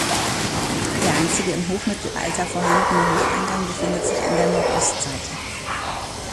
Der einzige im Hochmittelalter vorhandene Hocheingang befindet sich an der Nordostseite.